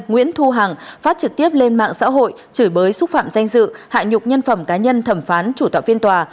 nguyễn thu hằng phát trực tiếp lên mạng xã hội chửi bới xúc phạm danh dự hạ nhục nhân phẩm cá nhân thẩm phán chủ tọa phiên tòa